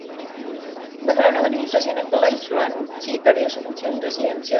Bajo la nueva administración, el Palais Rohan perdió su función residencial.